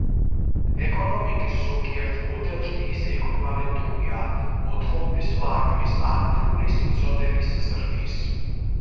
ეკონომიკის ზოგიერთ მოდელში, ის ექვივალენტურია მოთხოვნის ვარდნის, ან ფულის მიწოდების ზრდის.